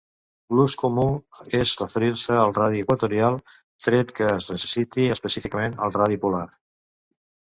L'ús comú és referir-se al radi equatorial, tret que es necessiti específicament el radi polar.